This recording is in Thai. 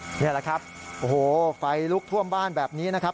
นี่แหละครับโอ้โหไฟลุกท่วมบ้านแบบนี้นะครับ